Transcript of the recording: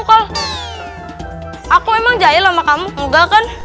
aku emang jahil sama kamu juga kan